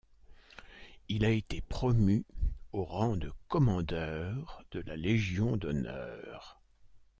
Il a été promu au rang de commandeur de la Légion d'honneur.